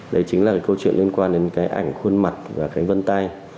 đấy chính là cái câu chuyện liên quan đến cái ảnh khuôn mặt và cái vân tay